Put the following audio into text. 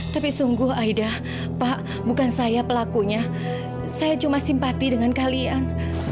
tapi sungguh aida pak bukan saya pelakunya saya cuma simpati dengan kalian